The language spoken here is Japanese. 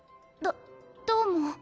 どどうも。